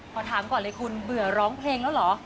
ขอถามก่อนเลยคุณเบื่อร้องเพลงแล้วเหรอ